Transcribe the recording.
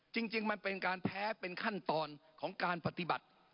จริงมันเป็นการแพ้เป็นขั้นตอนของการปฏิบัติ